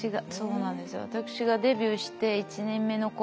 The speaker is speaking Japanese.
私がデビューして１年目の頃。